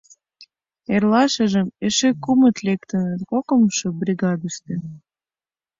Эрлашыжым эше кумыт лектыныт, кокымшо бригадыште.